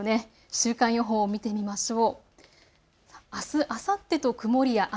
週間予報を見てみましょう。